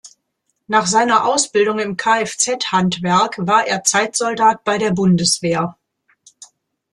Nach seiner Ausbildung im Kfz-Handwerk war er Zeitsoldat bei der Bundeswehr.